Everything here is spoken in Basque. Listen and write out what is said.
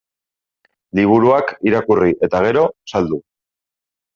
Liburuak irakurri eta gero, saldu.